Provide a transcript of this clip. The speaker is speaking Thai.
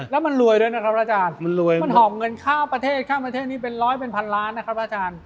และมันรวยด้วยนะครับอย่างราชาญ